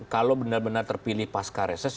kalau benar benar terpilih pasca reses